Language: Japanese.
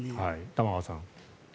玉川さん。